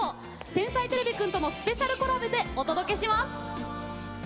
「天才てれびくん」とのスペシャルコラボでお届けします。